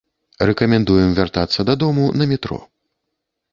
Рэкамендуем вяртацца дадому на метро.